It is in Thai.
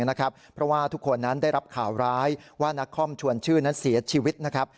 เพราะว่าทุกคนนั้นได้รับข่าวร้ายว่านักคอมชวนชื่อนั้นเสียชีวิตนะครับ